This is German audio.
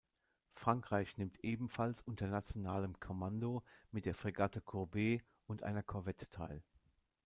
Frankreich nimmt ebenfalls unter nationalem Kommando mit der Fregatte Courbet und einer Korvette teil.